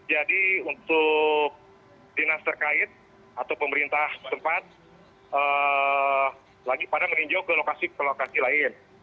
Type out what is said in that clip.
jadi untuk dinas terkait atau pemerintah tempat lagi pada meninjau ke lokasi lokasi lain